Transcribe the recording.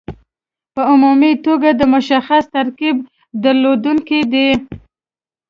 په عمومي توګه د مشخص ترکیب درلودونکي دي.